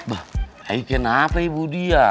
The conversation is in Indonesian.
eh kenapa ibu dia